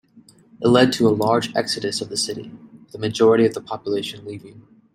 It led to a large exodus of the city, with a majority of the population leaving.